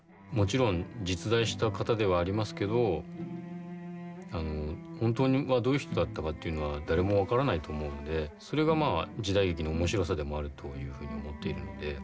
もちろん実在した方ではありますけど本当はどういう人だったかっていうのは誰も分からないと思うんでそれがまあ時代劇の面白さでもあるというふうに思っているんで